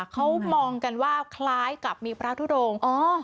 เขามองกันว่าคล้ายกับมีพระทุดง